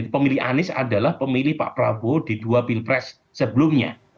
pemilih anies adalah pemilih pak prabowo di dua pilpres sebelumnya